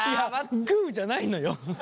グーじゃないのよ。